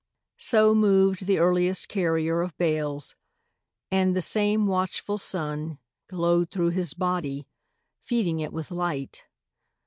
So moved the earliest carrier of bales, And the same watchful sun Glowed through his body feeding it with light.